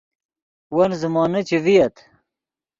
ون زیمونے چے ڤییت